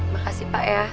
makasih pak ya